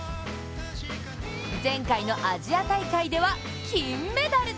前回のアジア大会では金メダル！